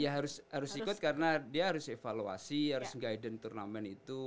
ya harus ikut karena dia harus evaluasi harus guidance turnamen itu